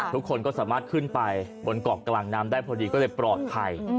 ทุกคนก็สามารถขึ้นไปบนเกาะกลางน้ำได้พอดีก็เลยปลอดภัย